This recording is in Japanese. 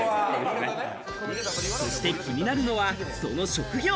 そして気になるのはその職業。